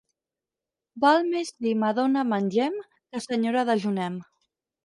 Val més dir «madona mengem», que «senyora dejunem».